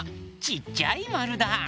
ちっちゃいまるだ！